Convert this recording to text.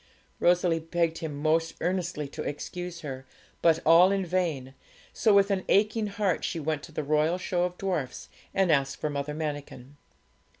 Rosalie begged him most earnestly to excuse her, but all in vain; so with an aching heart she went to the Royal Show of Dwarfs and asked for Mother Manikin.